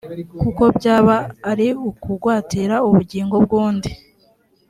kuko byaba ari ukugwatira ubugingo bw’undi.